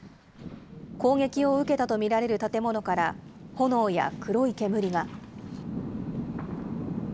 攻撃を受けたと見られる建物から炎や黒い煙が。